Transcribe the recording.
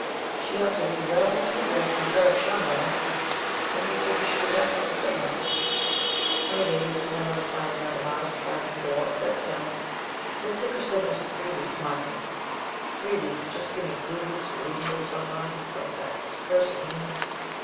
"She ought to be well midway from Ferrok Shahn by now. When do you figure she'll be back here and signal us?" "Twenty days. Give her another five now to Mars, and five in port. That's ten. We'll pick her signals in three weeks, mark me!" "Three weeks. Just give me three weeks of reasonable sunrise and sunset! This cursed Moon!